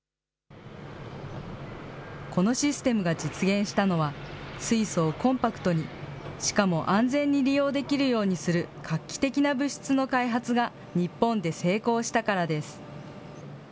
このシステムが実現したのは、水素をコンパクトに、しかも安全に利用できるようにする画期的な物質の開発が日本で成功したからです。